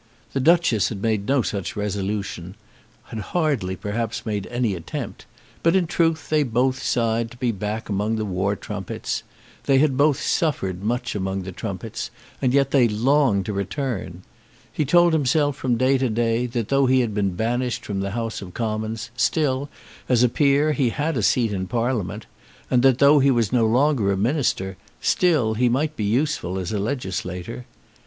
The Duchess had made no such resolution, had hardly, perhaps, made any attempt; but, in truth, they had both sighed to be back among the war trumpets. They had both suffered much among the trumpets, and yet they longed to return. He told himself from day to day, that though he had been banished from the House of Commons, still, as a peer, he had a seat in Parliament, and that, though he was no longer a minister, still he might be useful as a legislator.